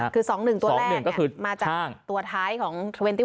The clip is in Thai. คือ๒๑ตัวแรกมาจากตัวท้ายของ๒๑